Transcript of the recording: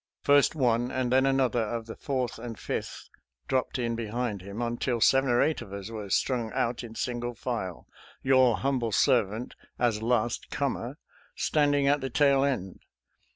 First one and then another of the Fourth and Fifth dropped in behind him, until seven or eight of us were strung out in single file, your humble servant, as last comer, standing at the tail end.